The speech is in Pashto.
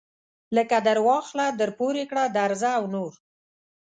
لکه درواخله درپورې کړه درځه او نور.